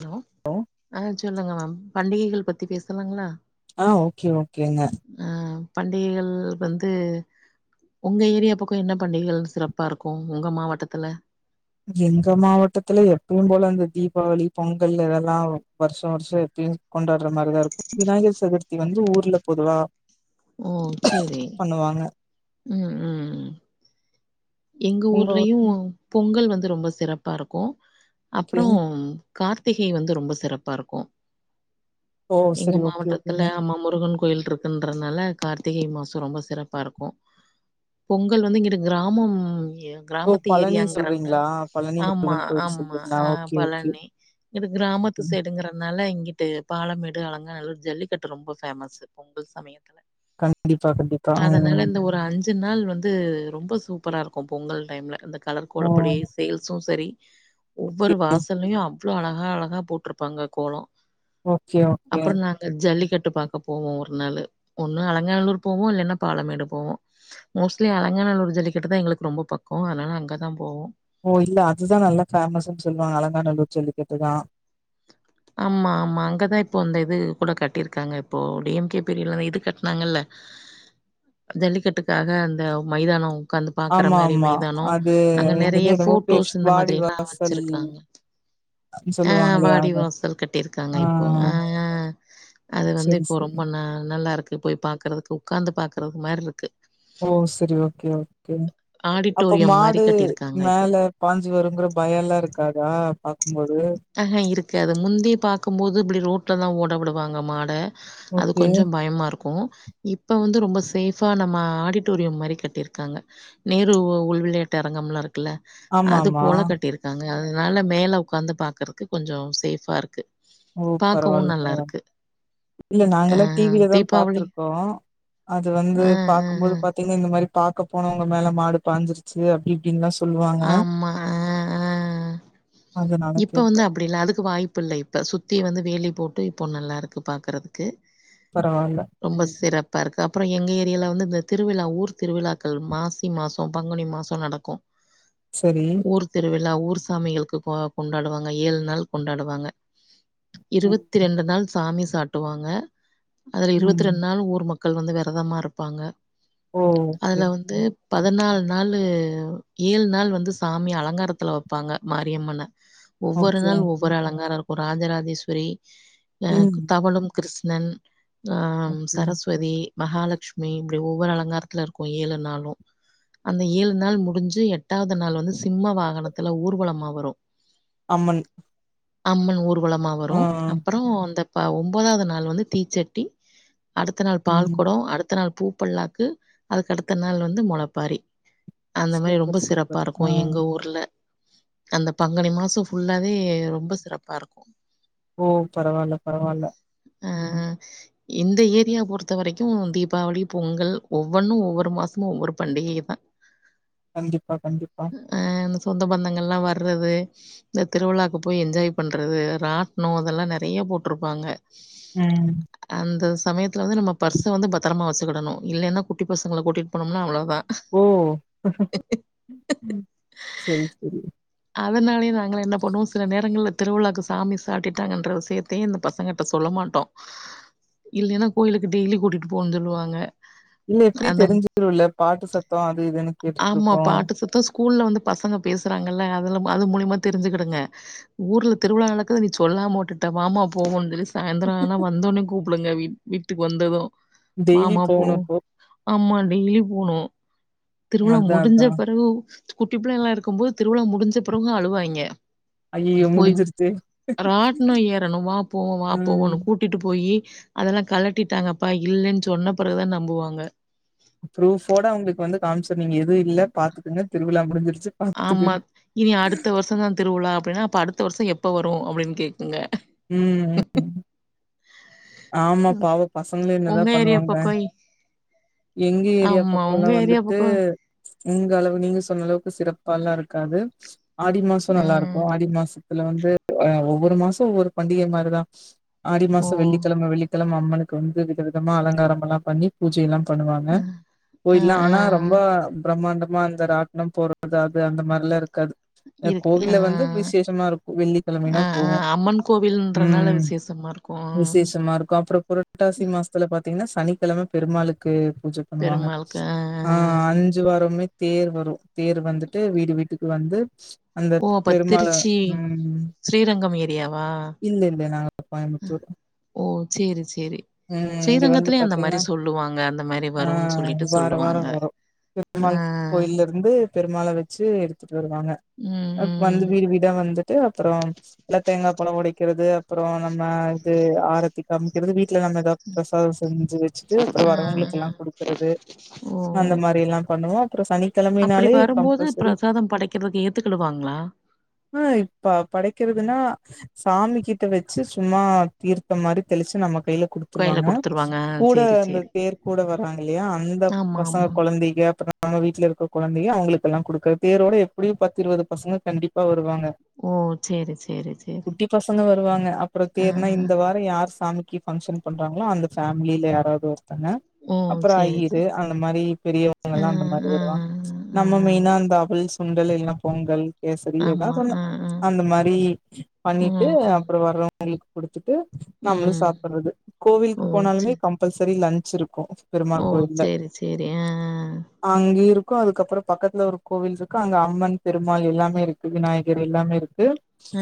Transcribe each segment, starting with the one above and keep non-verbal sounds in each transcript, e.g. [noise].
Hello ஆ சொல்லுங்க ma'am பண்டிகைகள் பத்தி பேசலாங்ளா ஆ ஓகே ஓகேங்க ஆ பண்டிகைகள் வந்து உங்க ஏரியா பக்கொ என்ன பண்டிகைகள் சிறப்பா இருக்கூ உங்க மாவட்டத்தில எங்க மாவட்டத்துல எப்பவும் போல இந்த தீபாவளி பொங்கல் இதெல்லா வருஷா வருஷொ எப்பயு கொண்டாட்ற மாரிதா இருக்கூ விநாயகர் சதுர்த்தி வந்து ஊர்ல பொதுவா ஓ சேரி ண்ணுவாங்க ம் ம் எங்க உங்க ஊர் ஊர்லையு பொங்கல் வந்து ரொம்ப சிறப்பா இருக்கூ ஓகே அப்புறோ கார்த்திகை வந்து ரொம்ப சிறப்பா இருக்கூ ஓ எங்க சரி ஓகே மாவட்டத்துல ஓகேங்க அம்மா முருகன் கோயில் இருக்குன்றதுனால கார்த்திகை மாசொ ரொம்ப சிறப்பா இருக்கூ பொங்கல் வந்து இங்கிட்டு கிராமம்ய ஓ கிராமத்து பழனி ஏரியாங்கிறனால சொல்றீங்களா பழனி ஆமா முருகன் கோயில் ஆமா சொல்றீங்களா ஆ ஓகே ஓகே பழனி இது கிராமத்து ம், சைடுங்கிறனால இங்கிட்டு பாலமேடு அலங்கா நல்லூர் ஜல்லிக்கட்டு ரொம்ப ஃபேமஸு பொங்கல் சமயத்துல கண்டிப்பா கண்டிப்பா ம் அஞ்சு நாள் வந்து ரொம்ப சூப்பரா இருக்கும் பொங்கல் டைம்ல இந்த கலர் ஓ கோலப்பொடி ஃபேல்ஸு சரி ஓகே ஒவ்வொரு வாசல்லயு அவ்ளோ அழகா அழகா போட்ருப்பாங்க கோலோ ஓகே ஓகே ஜல்லிக்கட்டு பாக்க போவோ ஒரு நாளு ஒன்னு அலங்காநல்லூர் போவோ இல்லன்னா பாலமேடு போவோ மோஸ்ட்லி அலங்காநல்லூர் ஜல்லிக்கிட்டு தா எங்களுக்கு ரொம்ப பக்கொ அதனால அங்கதா போவோ ஓ இல்ல அதுதா நல்லா ஃபேமஸ்ஸுன் சொல்லுவாங்க அலங்காநல்லூர் ஜல்லிக்கட்டு தா ஆமா ஆமா அங்க தா இப்போ அந்த இது கூட கட்டியிருக்காங்க இப்போ டி எம் கே பிரியட்ல இது கட்னாங்கல்ல ஜல்லிக்கட்டுக்காக அந்த மைதானொ உக்காந்து பாக்குற ஆமா மாரி ஆமா மைதானொ அது அங்க என்னது நறைய என்னமோ பேர் ஃபோட்டோஸ் இந்த வாடி மாதிரி எல்லா வாசல் வச்சிருக்காங்க ஆ சொல்லுவாங்களே வாடி அத வாசல் கட்டிருக்காங்க ஆ இப்போ ஆ ஆ அது வந்து சரி, இப்போ சரி. ரொம்ப ந ஆ நல்லாருக்கு போய் பாக்குறதுக்கு உக்காந்து பாக்குறது மார்ருக்கு ஓ சரி ஓகே ஓகே அப்ப ஆடிட்டோரியம் மாரி மாடு கட்டியிருக்காங்க இப்போ. மேல பாஞ்சி வருங்கிற‌ பயோல்லா இருக்காதா பாக்கும்போது ஆஹ இருக்காது முந்தி பாக்கும்போது இப்டி ரோட்ல தா ஓட விடுவாங்க மாட அது ஓகே. கொஞ்சம் பயமாருக் க்கும் இப்ப வந்து ரொம்ப சேஃபா நம்ம ஆடிட்டோரியம் மாரி கட்டியிருக்காங்க நேரு உள்விளையாட்டு அரங்கம்லா இருக்குல்ல அது ஆமாமா. போல கட்டியிருக்காங்க அதனால மேல உக்காந்து பாக்குறக்கு கொஞ்சம் சேஃபா இருக்கு ஓ! பாக்கவும் பரவால்ல, பரவால்ல. நல்லாருக்கு இல்ல நாங்கள்லா டி வில தா பாத்திருக்கோ அது வந்து அ அ பாக்கும் அ போது பாத் தீங்ன்னா இந்த மாரி பாக்க போனவங்க மேல மாடு பாஞ்சிருச்சு அப்டி இப்டின்லா சொ ஆமா அ அ. அதனால இப்ப வந்து கேட்டேன். அப்டில்ல அதுக்கு வாய்ப்பு இல்லை இப்ப சுத்தி வந்து வேலி போட்டு இப்போ நல்லாருக்கு பாக்கறதுக்கு பரவால்ல. ரொம்ப ம். சிறப் பா இருக்கு அப்புறம் எங்க ஏரியால வந்து இந்த திருவிழா ஊர் திருவிழாக்கள் மாசி மாசம் பங்குனி மாசம் நடக்கும் செரி ஊர் திருவிழா ஊர் சாமிகளுக்கு கொ கொண்டாடுவாங்க ஏழ் நாள் கொண்டாடுவாங்க ம். இருவத் திரண்டு நாள் சாமி சாட்டுவாங்க அதுல இருவத் ம். ரெண் நாள் ஊர் மக் மக்கள் வந்து வெரதமா இருப்பாங்க ஓ! அத ஓகே, வந்து ஓகே. பதினால் நாளு ஏழு நாள் வந்து சாமி அலங்காரத்துல வெப்பாங்க மாரியம்மன ஒவ்வொரு ஓகே. நாள் ஒவ்வொரு அலங்காரம் இருக்கு ராஜராஜேஸ்வரி ம் தவழும் கிருஷ்ணன் அ ஓகே. சரஸ்வதி மகாலட்சுமி இப்டி ஒவ்வொரு அலங்காரத்துல இருக்கும் ஏழு நாளும் அந்த ஏழு நாள் முடிஞ்சு எட்டாவ்து நாள் வந்து சிம்ம வாகனத்துல ஊர்வலமா வரும் அம்மன் அம்மன் ஊர்வலமா ஆ. வரும் அப்புறம் அந்த ஒம்பதாவ்து நாள் வந்து தீச்சட்டி அடுத்த நாள் பால் ம். கொடம் அடுத்த நாள் பூப்பல்லாக்கு அதுக்கு அடுத்த நாள் வந்து மொளப்பாரி அந்த மாரி ரொம்ப சூப்பர் சிறப்பா சூப்பர். ஆ. இருக்கும் எங்க ஊர்ல அந்த பங்குனி மாசம் ஃபுல்லாவே ரொம்ப சிறப்பாருக்கும் ஓ பரவால்ல பரவால்ல ம் ஆஹ் இந்த ஏரியா பொறுத்த வரைக்கும் தீபாவளி பொங்கல் ஒவ்வொன்னும் ஒவ்வொரு மாசமு ஒவ்வொரு பண்டிகைதா [inaudible] கண்டிப்பா கண்டிப்பா ஆ அந்த சொந்த பந்தங்கள்லா வர் றது இந்த திருவிழாக்கு போய் என்ஜாய் பண்றது ராட்னோ இதெல்லா நெறைய போட்ருப்பாங்க ம் அந்த சமயத்துல வந்து நம்ம பர்ஸ வந்து பத்தரமா வச்சுக்கிடணு இல்லைன்னா குட்டி பசங்கள கூட்டிட் போனோம்னா அவ்ளோதா ஓ ம் ம் சரி சரி அதனாலயே நாங்களா என்ன பண்ணுவோம் சில நேரங்கள்ல திருவிழாக்கு சாமி சாட்டிட்டாங்கன்ற விஷயத்தயே இந்த பசங்கிட்ட சொல்ல மாட்டோ இல்லைன்னா கோயிலுக்கு டெய்லி கூட்டிட்டு போன்ந்த்ருவாங்க இல்ல எப்டியு தெரிஞ்சிகனு இல்ல பாட்டு சத்தோ அது இதுன்னு ஆமா கேட்டுட்ருக்கோ பாட்டு சத்தோ ஸ்கூல்ல வந்து பசங்க பேசுறாங்கல்ல அதுல அது மூலயமா தெரிஞ்சிக்கிடுங்க ஊர்ல திருவிழா நடக்குது நீ சொல்லாம உட்டுட்ட வாமா போவோன் சொல்லி சாய்ந்த்ரோ ஆனா வந்தோன்னே கூப்டுங்க வீட் வீட்டுக்கு வந்தது டெய்லி வாமா போவோ போகணும் அப்போ. ஆமா டெய்லி போனோ திருவிழா அதான், முடிஞ்ச அதான். பெறவு குட்டி பிள்ளையலா இருக்கும் போது திருவிழா முடிஞ்ச பெறவு அழுவாய்ங்க ஐயய்யோ! போய் முடிஞ்சிருச்சே. ராட்னு ஏறணு வா போவோ வா ம். போவோனு கூட் டிட்டு போயி அதெல்லா கலட்டிட்டாங்கப்பா இல்லன் சொன்ன பெறவுதா நம்புவாங்க ப்ரூஃவோட அவுங்களுக்கு வந்து காமிச்சரனு இங்க எதுவு இல்ல பாத்துக்கோங்க திருவிழா முடிஞ்சிருச்சு ஆமா பாத்துக்கங்க. இனி அடுத்த வருஷோ தா திருவிழா அப்டின்னா அப்ப அடுத்த வருஷோ எப்போ வரு அப்டின்னு கேக்குங்க ம் ம். [inaudible] ஆமா பாவோ பசங்களு என்னதா உங்க ஏரியா பண்ணுவாங்க பக்கம் எங்க ஏரியா ஆமா உங்க பக்கொல்லா ஏரியா வந்துட்டு பக்கம் உங்க அளவு நீங்க சொன்ன அளவுக்கு சிறப்பால்லா இருக்காது ஆடி மாசோ நல்லா இருக்கு ம் ஆடி மாசத்துல வந்து ஆ ஒவ்வொரு மாசோ ஒவ்வொரு பண்டிகை மாரி தா ஆடி ஓ மாசோ வெள்ளிக்கெழம வெள்ளிக்கெழம அம்மனுக்கு வந்து வித விதமா அலங்காரமல்லா பண்ணி பூஜையெல்லா பண்ணுவாங்க ஆ ஆ, கோயில்ல ஆ, ஆனா ரொம்ப ஆ. பிரம்மாண்டமா அந்த ராட்னோ போட்றது அது அந்த மாரில்லா இருக்காது அந்த இருக்கு. ஆ, கோவில்ல வந்து விசேஷமா இருக்கு வெள்ளிக்கெழமைனா ஆ, ஆ. போவோ அம்மன் கோவில்ன்றனால உம் விசேஷமா இருக்கும். விசேஷமா இருக்கு அப்பறோ புரட்டாசி மாசத்துல பாத்தீங்னா சனிக்கெழம பெருமாளுக்கு பூஜ பண்ணுவாங்க ஆ அஞ் அஞ்சு வாரமே தேர் வரு தேர் வந்துட்டு வீடு வீட்டுக்கு வந்து அந்த ஓ! அப்ப பெருமால திருச்சி, உம் உம் ஸ்ரீரங்கம் ஏரியாவா இல்ல இல்ல நாங்க கோயமுத்தூர் ஓ சேரி சேரி இங்க வந்து ஸ்ரீரங்கத்திலயு அந்த மாரி பாத்தீங்கன்னா சொல்லுவாங்க அந்த மாரி வருன் சொல்லிட்டு சொல்லுவாங்க ஆ. பெருமாள் கோயில்ல இருந்து பெருமாள வச்சு எடுத்துட்டு வருவாங்க ம் ம் வந்து வீடு வீடா வந்துட்டு அப்பறோ எல்லா தேங்கா பழோ ஒடைக்குறது அப்பறோ நம்ம இது ஆரத்தி காமிக்குறது வீட் ல நம்ம எதாவது பிரசாதம் செஞ்சி வச்சிட்டு அப்றோ ஆ, வரவங்களுக்கு ஆ. எல்லா குடுக்குறது ஓ! அந்த மாரி எல்லா பண்ணுவோ அப்பறோ சனி அப்படி வரும்போது பிரசாதம் படைக்குறதுக்கு ஏத்துக்கிடுவாங்ளா ஆ இப்ப படைக்கறதுன்னா சாமி கிட்ட வச்சு சும்மா தீர்த்தமாரி தெளிச்சு நம்ம கைல குடு கையில துருவாங்க குடுத்துருவாங்க. ஆ கூட சரி, அந்த சரி. தேர் கூட வராங்க இல்லையா அந்த ஆமா, பசங்க ஆமா. கொழந்தைக அப்பறோ அவுங்க வீட்ல இருக்க கொழந்தைக அவுங்களுக்கெல்லா குடுக்க தேரோட எப்டியு பத்து இருவது பசங்க கண்டிப்பா வருவாங்க ஓ! சரி, சரி, சரி. குட்டி பசங்க வருவாங்க அப்பறோ ஆ, தேர்னா ஆ. இந்த வா ரோ யார் சாமிக்கு பங்க்ஷன் பண்றாங்களோ அந்த ஃபேமிலியில யாராவது ஒருத்தங்க ஓ! அப்பறோ சரி, சரி. ஐயரு அந்த மாரி பெரியவங்க ஆ, எல்லா அந்த மாரி ஆ, வருவாங்க ஆ, நம்ம மெயினா அந்த அபிள்ஸ் சுண்டலு இல்லனா பொங்கல் கேசரி ஆமா. எதாவ்து ஒன்னு ஆ, ஆ. அந்த மாரி ம், பண்ணிட்டு ம், அப்பறோ வர்ற வங்களுக் குடுத்துட்டு நம்மளு ம். சாப்பிட்றது கோவிலுக்கு ஓ! போனாலுமே சரி. கம்பல்சரி லன்ச் இருக்கு ஓ! பெருமாள் கோயில்ல சரி, சரி. ஆ, ஆ அங்கயு இருக்கு அதுக்கப்புறோ பக்கத்துல ஒரு கோவில் இருக்கு அங்க அம்மன் பெருமாள் எல்லாமே இருக்கு விநாயகர் எல்லாமே இருக்கு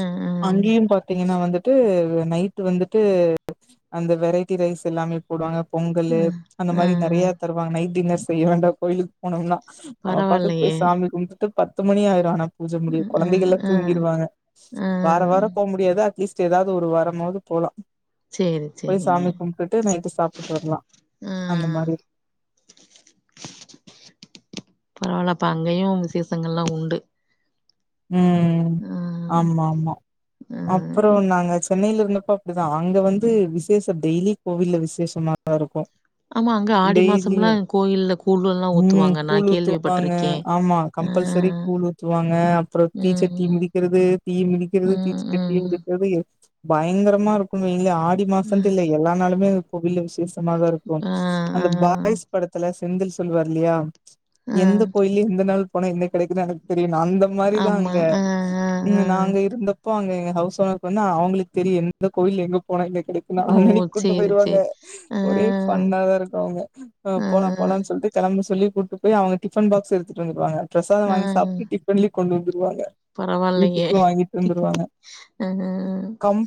ம் ம் அங்கேயு பாத்தீங்கனா வந்துட்டு நைட்டு வந்துட்டு அந்த வெரைட்டி ரைஸ் எல்லாமே போடுவாங்க பொங்கலு ஆ, ஆ, அந்த ஆ. மாரி நெறய தருவாங்க நைட் டின்னர் செய்ய வேண்டா கோயிலுக் போனம்னா நம்ம பாட்டுக் பரவாயில்லையே! போய் சாமி கும்புட்டு பத்து மணியாயிரு ஆனா பூஜ அ, முடிய ஆ, கொழந்தைகள்லா ஆ, தூங்கிருவாங்க ஆ. வாரவார போமுடியாது அட்லீஸ்ட் ஏதாது ஒரு வாரமாது போலா சேரி போய் சாமி கும்ட்டுட்டு நைட்டு சாப்புட்டு வர்லா ஆ அந்த மாரி பரவால அப்ப அங்கயு விசேஷங்கள்லா உண்டு ம் ஆ, ஆமாமா ஆ. அப்றோ நாங்க சென்னைலருந்தப்ப இப்டிதா அங்க வந்து விசேஷோ டெய்லி கோவில்ல விசேஷமாதாருக்கு ஆமா, அங்க ஆடி டெய்லியு மாசம்லாம் கோயில்ல கூழ்லாம் ம் ஊத்துவாங்க. நான் கூழூத்துவாங்க கேள்விப்பட்டுருக்கேன். ஆமா ஆ, கம்ப்பல்சரி கூழூத்துவாங்க அப்றோ ம், தீச்சட்டி மிதிக்கறது தீ ம், மிதிக்கறது ம், தீச்சட்டி ம். எடுக் போது பயங்கரமா இருக்குன் வைங்ளே ஆடி ஆ மாசோண்ட்டில்ல எல்லா நாளுமே அது கோவில்ல விசேஷ மாதாருக்கும் ஆ ஆ அந்த பாய்ஸ் படத்துல செந்தில் சொல்லுவாருல்லையா ஆ. எந்த கோயில்லயு இந்த நாள் போனா என்ன கெடைக்குன் எனக் தெரியுன்வா அந்த மாரி தா ஆமா அங்க ஆ ஆ இங்க ஆ நாங்க இருந்தப் ப்பாங்க எங்க ஹவுஸோனருக்கு வந்து அவுங்களுக் தெரியு எந்தந்த கோவில் எங்க போனா என்ன கெடைக் குன் ஓ அந்தன்னிக் கூட்டு சேரி போயிருவாங்க சேரி ஆ ஒரே ஃபன்னாதாருக்கு அவுங்க அ ஆ போலா போலான் சொல்ட்டு கெளம்ப சொல்லி கூட்டு போய் அவுங்க டிஃபன் பாக்ஸ் எடுத்துட்டு வந்துருவாங்க பிரசாதொ ஆ வாங்கி சாப்ட்டு டிஃபன்லியு கொண்டு வந்துருவாங்க பரவால்லையே வீட்டுக்கு வாங்கிட்டு அ அ அ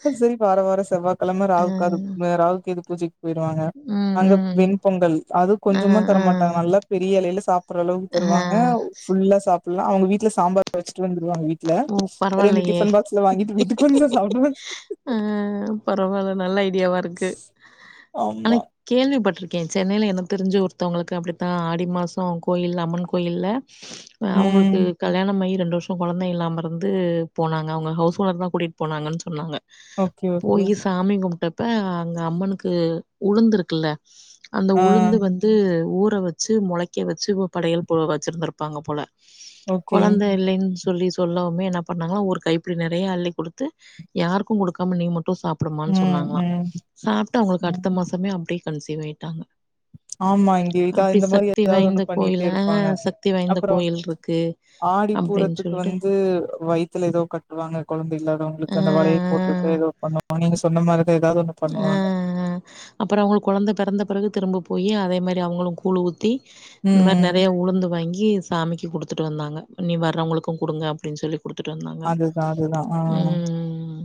அப்ப சரி வார வார செவ்வாக்கெழம ராவு காது ம்அ ராவுக் கேது பூஜைக் போய்டுவாங்க ம் அங்க ம் வெண்பொங்கல் அது ஆ கொஞ்சமா ஆ தரமாட்டாங்க நல்லா பெரிய எலைல சாப்புற அளவுக்கு ஆ தருவாங்க ஃபுல்லா சாப்புல்லா அவுங்க வீட்ல சாம்பார் வச்சுட்டு வந்துருவாங்க வீட்ல ஓ ரெண்டு பரவால்லையே டிஃபன் பாக்ஸ் ல்ல வாங்கிட்டு வீட்டுக்கு வந்துருவ சாப்புடுவாங்க அ அ பரவால நல்ல ஐடியாவாருக்கு ஆனா ஆமா இ கேள்விபட்ருக்கே சென்னைல எனக் தெரிஞ்சு ஒருத்தவுங்களுக்கு அப்டித்தா ஆடி மாசோ கோயில் அம்மன் கோயில்ல ஆ ம் அவுங்குளுக்கு கல்யாணமாயி ரெண்டு வருஷோ கொழந்த இல்லாமருந்து போனாங்க அவுங்க ஹவுஸோனர்தா கூட்டிட் போனாங்கன் சொன்னாங்க ஓகே ஓகே போயி சாமி கும்ட்டப்ப அங்க அம்மனுக்கு உளுந்துருக்குல்ல அந்த ஆ உளுந்து வந்து ஊற வச்சு மொளைக்க வச்சு போ படையல் போ வச்சிருந்துருப்பாங்க போல ஓகே கொழந்த இல்லேன் சொ சொல்லி சொல்லவுமே என்ன பண்ணாங்களா ஒரு கைப்பிடி நெறைய அள்ளி குடுத்து யாருக்கும் குடுக்காம நீ மட்டு சாப் புடுமான் ம் சொன்னாங்களா ம் சாப்ட்டு அவுங்குளுக்கு ம் அடுத்த மாசமே அப்டியே கன்சீவாயிட்டாங்க ஆமா இங்க இதா அப்டி இந்த மாரி சக்தி ஏதாவது ஒண்ணு வாய்ந்த பண்ணிட்டே கோயிலா இருப்பாங்க சக்தி வாய்ந்த கோயில்ருக்கு ஆடிப்பூறத்துக்கு வந்து வை த்துல எதோ கட்டுவாங்க கொழந்த ஆ இல்லாதவங்களுக்கு ஆ அந்த வளையல் போட்டுட்டு எதோ பண்ணுவாங்க நீங்க சொன்ன மாரிதா எதாது ஒன்னு அ அ அப்புறோ அவுங்களுக் கொழந்த பெறந்த பிறகு திரும்ப போயி அதேமாரி அவுங்களு கூழு ஊத்தி இந்தமார் ம் நெறைய உளுந்து வாங்கி சாமிக்கி குடுத்துட்டு வந்தாங்க இனி வர்றவங்களுக்கும் குடுங்க அப்டின் சொல்லி குடுத்துட்டு வந்தாங்க அதுதா அதுதா ஆ ம் ம் ம்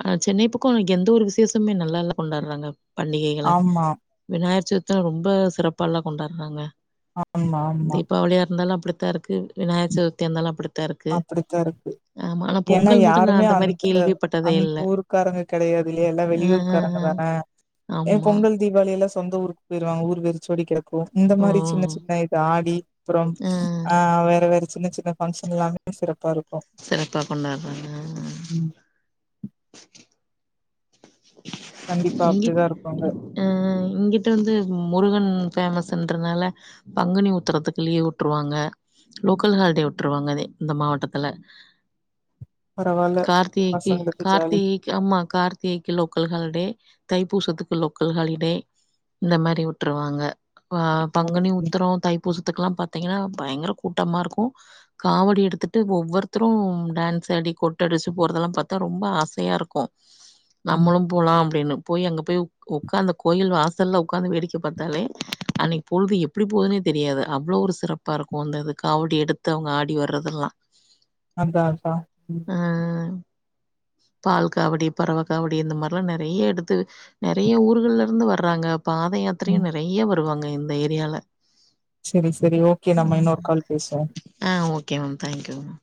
அ சென்னை பக்கொ எந்த ஒரு விசேஷமே நல்லால்ல கொண்டாறாங்க பண்டிகைகள ஆமா விநாயகர் சதுர்த்த ரொம்ப சிறப்பால்ல கொண்டார்றாங்க ஆமா ஆமா தீபாவளியாருந்தாலு அப்டித்தாருக் கு விநாயக சதுர்த்தியாருந்தாலு அப்புடித் அப்புடித்தாருக்கு ஏனா பொங்கல் மட்டும் நான் யாருமே மாரி அந்த கேள்விப்பட்டதே அந்த இல்ல. ஊருக் காரங்க கெடையாதில்லயா எல்லா அ, அ, அ. வெளியூர்க்காரங்கதான ஏன் ஆமா. பொங்கல் தீபாவளியெல்லா சொந்த ஊருக் போய்ருவாங்க ஊர் வெருச்சோடி கெடக் கு இந்த ஓ! மாரி சின்ன சின்ன இப்ப ஆடி அப்றம் அ வேற வேற சின்ன சின்ன ஃபங்க்ஷன் எல்லாமே சிறப்பாருக்கு சிறப்பா கொண்டார்றாங்க ம் கண்டிப்பா இங்க அப்டிதா இருப்பாங்க அ இங்கிட்டு வந்து முருகன் ஃபேமஸ்ன்றனால பங்குனி உத்துறதுக்கு லீவு வுட்ருவாங்க லோக்கல் ஹாலிடே விட்ருவாங்கே இந்த மாவட்டத்துல பரவால்ல கார்த்திகைக்கு பசங்களுக்கு ஜாலி கார்த்திகை ஆமா கார்த்திகைக்கு லோக்கல் ஹாலிடே தைபூசத்துக்கு லோக்கல் ஹாலிடே இந்த மாரி வுட்டுருவாங்க ஆ பங்குனி ம் உத்ரோ தைப்பூச த்துக்குல்லா பாத்தீங்ன்னா பயங்கர கூட்டமா இருக்கு காவடி எடுத்துட்டு ஒவ்வொருத்தரு டான்ஸ் ஆடி கொட் ட்டடிச்சு போறதெல்லா பாத்தா ரொம்ப ஆசயா இருக்கு ம் நம்மளு போலா அப்டினு போய் அங்க போய் உக்காந்த கோயில் வாசல்ல உக்காந்து வேடிக்க பாத்தாலே அன்னிக் பொழுது எப்டி போதுனே தெரியாது அவ்ளோ ஒரு சிறப்பா இருக்கு அந்த இது காவடி எடுத்து அவங்க ஆடி வர்றதெல்லா அதா அதா ம் ஆ பால் காவடி பறவ காவடி இந்த மாரிலா நெறைய எடுத்து நெறைய ஊர்கள்ல இருந்து வர்றாங்க பாத ம் யாத்திரையு நெறைய வருவாங்க இந்த ஏரியால செரி செரி ஓகே நம்ம இன்னொரு கால் பேசுவோ ஆ okay ma'am thank you ma'am